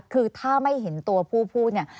คือถ้าไม่เห็นตัวผู้พูดเนี่ย